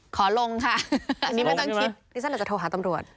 ขอลงค่ะอันนี้ไม่ต้องคิดดิฉันอาจจะโทรหาตำรวจ